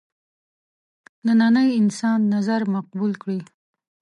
ننني انسان نظر مقبول کړي.